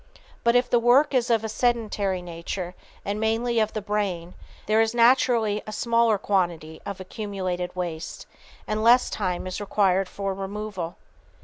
But if the work is of a sedentary nature, and mainly of the brain, there is naturally a smaller quantity of accumulated waste, and less time is required for removal.